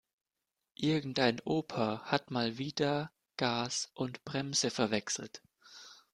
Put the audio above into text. Irgendein Opa hat mal wieder Gas und Bremse verwechselt.